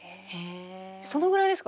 そのぐらいですか？